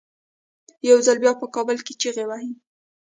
یو ځل بیا په کابل کې چیغې وهي.